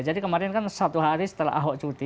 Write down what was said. jadi kemarin kan satu hari setelah ahok cuti